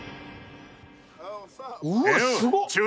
うわっすご！